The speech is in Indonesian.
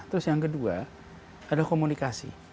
terus yang kedua ada komunikasi